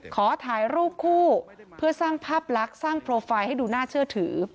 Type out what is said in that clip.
ขอถ่ายรูปคู่เพื่อสร้างภาพลักษณ์สร้างโปรไฟล์ให้ดูน่าเชื่อถือ